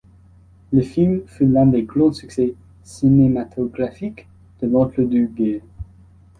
Le film fut l'un des grands succès cinématographiques de l'entre-deux guerres.